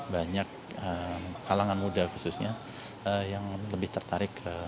banyak kalangan muda khususnya yang lebih tertarik